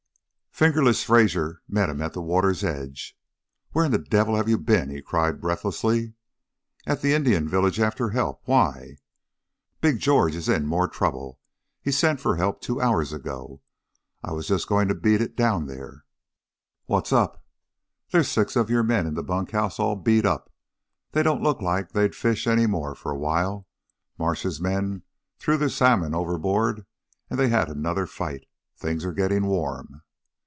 "Fingerless" Fraser met him at the water's edge. "Where in the devil have you been?" he cried, breathlessly. "At the Indian village after help. Why?" "Big George is in more trouble; he sent for help two hours ago. I was just going to 'beat it' down there." "What's up?" "There's six of your men in the bunk house all beat up; they don't look like they'd fish any more for a while. Marsh's men threw their salmon overboard, and they had another fight. Things are getting warm."